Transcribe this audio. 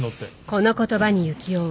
この言葉に幸男は。